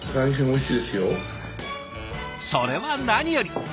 それは何より！